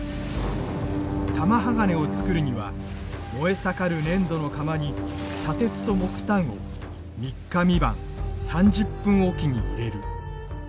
玉鋼をつくるには燃え盛る粘土の釜に砂鉄と木炭を３日３晩３０分置きに入れる。